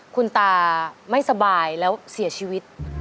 คุณตาไม่สบายแล้วเสียชีวิต